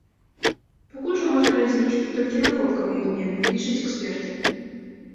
Пакуль жа можна разлічваць толькі на кропкавыя змены, лічаць эксперты.